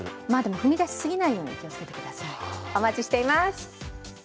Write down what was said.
踏み出しすぎないように気をつけてください。